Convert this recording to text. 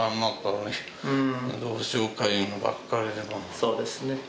そうですね。